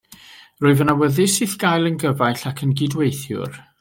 Yr wyf yn awyddus i'th gael yn gyfaill ac yn gydweithiwr.